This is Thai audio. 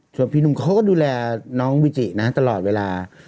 ส่วนพี่หนุ่มเขาก็ดูแลน้องวิจินะตลอดเวลา